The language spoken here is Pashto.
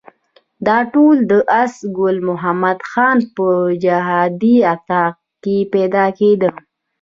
دا ټول د آس ګل محمد خان په جهادي اطاق کې پیدا کېدل.